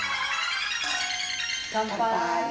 乾杯。